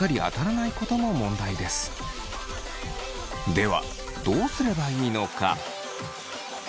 ではどうすればいいのか？